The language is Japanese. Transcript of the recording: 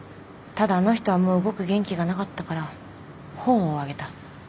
ただあの人はもう動く元気がなかったから本をあげた。